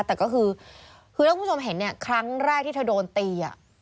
แต่ก็คือถ้าคุณคุณผู้ชมเห็นคลังแรกที่เธอโดนตี